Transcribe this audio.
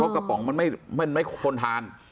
กระป๋องมันไม่ควรทาน